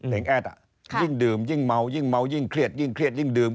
แอดอ่ะยิ่งดื่มยิ่งเมายิ่งเมายิ่งเครียดยิ่งเครียดยิ่งดื่ม